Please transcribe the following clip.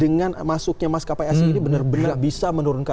dengan masuknya maskapai asing ini benar benar bisa menurunkan